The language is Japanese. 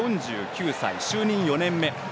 ４９歳、就任４人目。